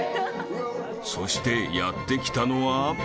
［そしてやって来たのは］